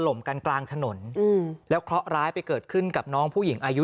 มกันกลางถนนอืมแล้วเคราะห์ร้ายไปเกิดขึ้นกับน้องผู้หญิงอายุ